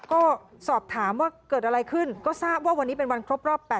ก็สอบถามว่าเกิดอะไรขึ้นก็ทราบว่าวันนี้เป็นวันครบรอบ๘